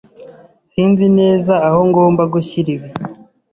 Sinzi neza aho ngomba gushyira ibi.